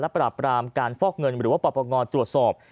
และปรับรามการฟอกเงินหรือปรับประงอดตรวจสอบ